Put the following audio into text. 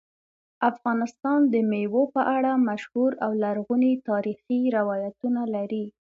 افغانستان د مېوو په اړه مشهور او لرغوني تاریخی روایتونه لري.